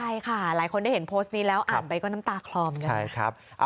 ใช่ค่ะหลายคนได้เห็นโพสต์นี้แล้วอ่านไปก็น้ำตาคลอมนะครับ